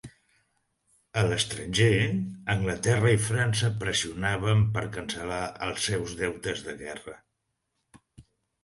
A l'estranger, Anglaterra i França pressionaven per cancel·lar els seus deutes de guerra.